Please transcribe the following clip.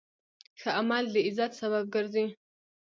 ښه عمل د عزت سبب ګرځي.